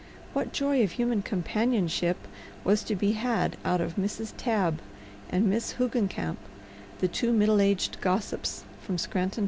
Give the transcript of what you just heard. What joy of human companionship was to be had out of Mrs. Tabb and Miss Hoogencamp, the two middle aged gossips from Scranton, Pa.